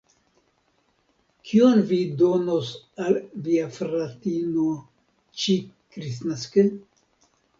Kion vi donos al via fratino ĉi-kristnaske?